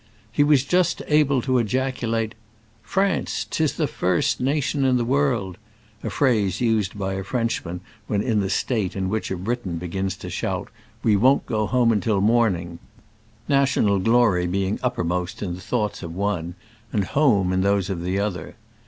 He was just able to ejaculate, "France! 'tis the first nation in the MONT PBLVOUX FROM ABOVE LA BBSS^B. world !"— a phrase used by a French man when in the state in which a Briton begins to shout, " We won't go home till morning," national glory being upper most in the thoughts of one, and home in those of the other.